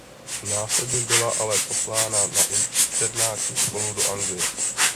Následně byla ale poslána na internátní školu do Anglie.